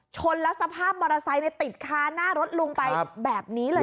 ชนแล้วสภาพมอเตอร์ไซค์ติดคาหน้ารถลุงไปแบบนี้เลย